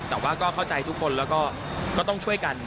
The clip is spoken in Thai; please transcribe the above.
แต่ว่าก็เข้าใจทุกคนแล้วก็ต้องช่วยกัน